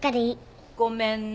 ごめんね。